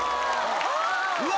うわ。